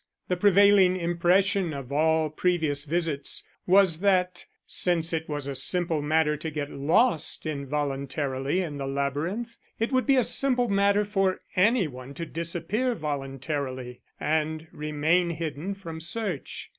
The prevailing impression of all previous visits was that, since it was a simple matter to get lost involuntarily in the labyrinth, it would be a simple matter for any one to disappear voluntarily and remain hidden from search.